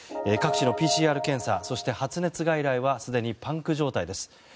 各地のＰＣＲ検査そして、発熱外来はすでにパンク状態です。